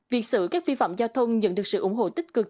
việc xử các vi phạm giao thông nhận được sự ủng hộ tích cực